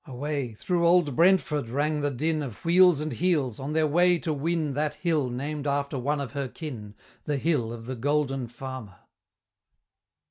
Away, through old Brentford rang the din Of wheels and heels, on their way to win That hill, named after one of her kin, The Hill of the Golden Farmer!